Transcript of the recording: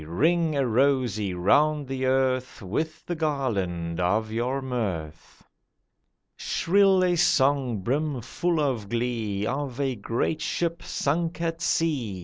Ring a rosy round the earth With the garland of your mirth. Shrill a song brim full of glee Of a great ship sunk at sea.